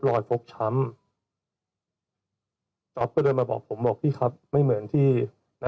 แต่หลังจากที่ถอดเสื้อแล้วเปลี่ยนเสื้อแล้วเนี่ย